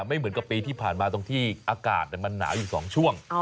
ไม่เหมือนกับปีที่ผ่านมาตรงที่อากาศมันหนาวอยู่๒ช่วง